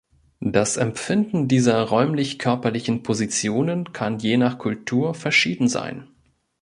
Das Empfinden dieser räumlich-körperlichen Positionen kann je nach Kultur verschieden sein.